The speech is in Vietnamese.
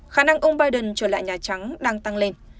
khả năng ông biden trở lại nhà trắng đang tăng lên